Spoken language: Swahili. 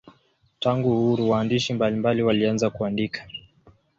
Tangu uhuru waandishi mbalimbali walianza kuandika.